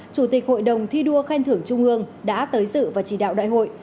chủ tịch hội đồng thi đua khen thưởng trung ương đã tới dự và chỉ đạo đại hội